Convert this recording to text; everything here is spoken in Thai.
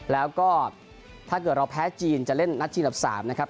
แล้วก็ถ้าเกิดเราแพ้จีนจะเล่นนัดชิงดับ๓นะครับ